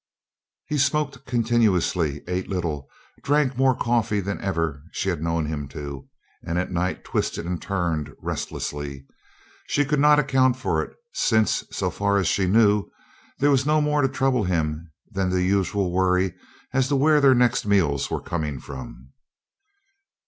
He smoked continuously, ate little, drank more coffee than ever she had known him to, and at night twisted and turned restlessly. She could not account for it, since, so far as she knew, there was no more to trouble him than the usual worry as to where their next meals were coming from.